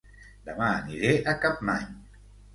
Dema aniré a Capmany